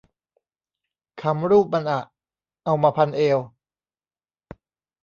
ขำรูปมันอะ เอามาพันเอว